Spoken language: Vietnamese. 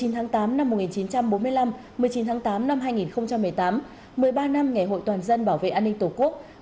một mươi tháng tám năm một nghìn chín trăm bốn mươi năm một mươi chín tháng tám năm hai nghìn một mươi tám một mươi ba năm ngày hội toàn dân bảo vệ an ninh tổ quốc